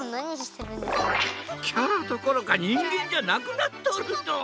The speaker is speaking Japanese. キャラどころかにんげんじゃなくなっとるドン！